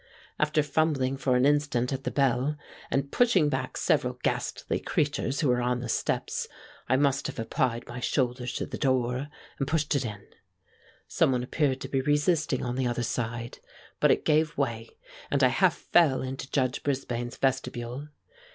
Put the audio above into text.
After fumbling for an instant at the bell and pushing back several ghastly creatures who were on the steps, I must have applied my shoulder to the door and pushed it in. Some one appeared to be resisting on the other side, but it gave way and I half fell into Judge Brisbane's vestibule.